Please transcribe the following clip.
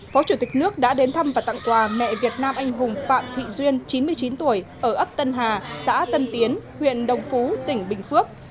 phó chủ tịch nước đã đến thăm và tặng quà mẹ việt nam anh hùng phạm thị duyên chín mươi chín tuổi ở ấp tân hà xã tân tiến huyện đồng phú tỉnh bình phước